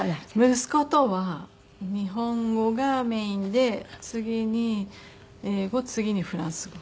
息子とは日本語がメインで次に英語次にフランス語。